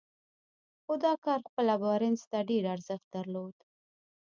خو دا کار خپله بارنس ته ډېر ارزښت درلود.